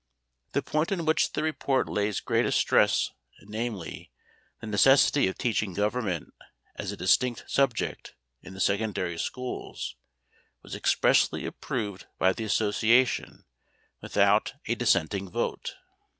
The point on which the report lays greatest stress, namely, the necessity of teaching Government as a distinct subject in the secondary schools, was expressly approved by the association without a dissenting vote.